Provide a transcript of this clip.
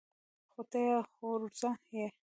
خو ته يې خورزه يې.